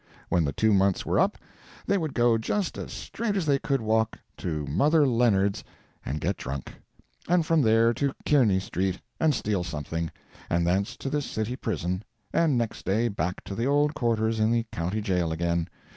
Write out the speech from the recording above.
When the two months were up, they would go just as straight as they could walk to Mother Leonard's and get drunk; and from there to Kearney street and steal something; and thence to this city prison, and next day back to the old quarters in the county jail again.